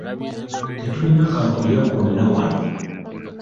Tetulina kaakulya konna wano.